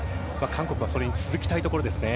韓国はそれに続きたいところですね。